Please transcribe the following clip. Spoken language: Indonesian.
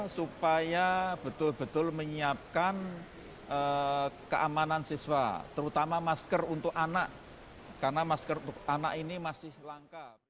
supaya betul betul menyiapkan keamanan siswa terutama masker untuk anak karena masker untuk anak ini masih langka